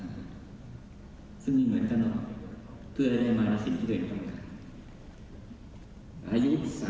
ว่าอะไรเป็นข้อมูลจะแช้จนกลาย